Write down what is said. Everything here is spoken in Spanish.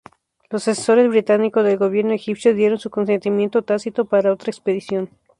Los asesores británicos del gobierno egipcio dieron su consentimiento tácito para otra expedición.